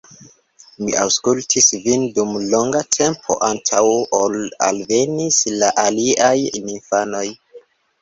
Mi aŭskultis vin dum longa tempo antaŭ ol alvenis la aliaj infanoj.